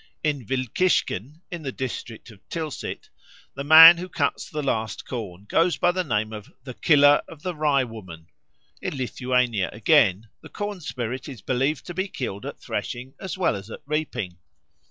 In Wilkischken, in the district of Tilsit, the man who cuts the last corn goes by the name of "the killer of the Rye woman." In Lithuania, again, the corn spirit is believed to be killed at threshing as well as at reaping.